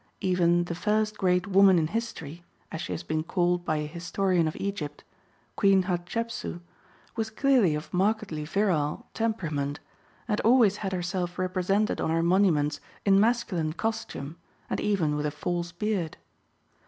Even "the first great woman in history," as she has been called by a historian of Egypt, Queen Hatschepsu, was clearly of markedly virile temperament, and always had herself represented on her monuments in masculine costume, and even with a false beard.